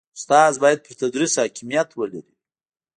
استاد باید پر تدریس حاکمیت ولري.